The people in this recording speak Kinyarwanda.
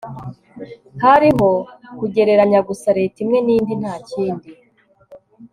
hariho kugereranya gusa leta imwe nindi, ntakindi